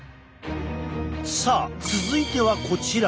さあ続いてはこちら！